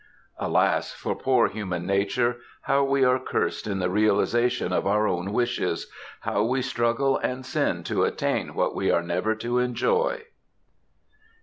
Alas, for poor human nature! How we are cursed in the realisation of our own wishes! How we struggle and sin to attain what we are never to enjoy!